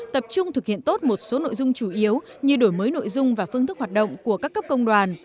tập trung thực hiện tốt một số nội dung chủ yếu như đổi mới nội dung và phương thức hoạt động của các cấp công đoàn